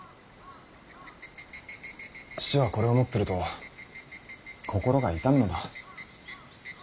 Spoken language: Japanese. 父はこれを持ってると心が痛むのだ。